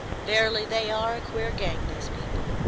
Verily, they are a queer gang, these people.